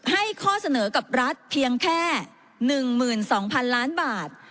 ให้ข้อเสนอกับรัฐเพียงแค่๑๒๐๐๐ล้านบาท